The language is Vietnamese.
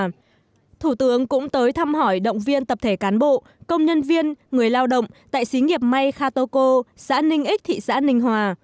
tiếp tục thị xát những điểm bị thiệt hại nặng do cơn bão số một mươi hai tại khánh hòa thủ tướng đã tới thăm hỏi nói chuyện và động viên cán bộ nhân viên trạm y tế xã ninh ích thị xã ninh hòa